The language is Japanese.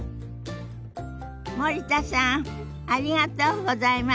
森田さんありがとうございました。